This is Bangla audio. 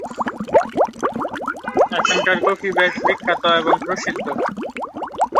এখানকার কফি বেশ বিখ্যাত এবং প্রসিদ্ধ।